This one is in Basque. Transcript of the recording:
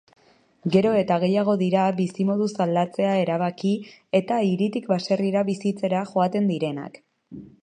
Gero eta gehiago dira bizimoduz aldatzea erabaki eta hiritik baserrira bizitzera joaten direnak.